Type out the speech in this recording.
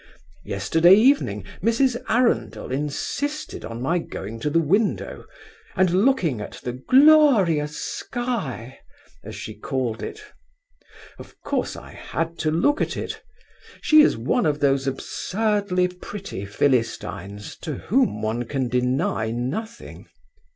Yesterday evening Mrs. Arundel insisted on my going to the window, and looking at the glorious sky, as she called it. Of course I had to look at it. She is one of those absurdly pretty Philistines to whom one can deny nothing.